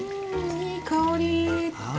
いい香り！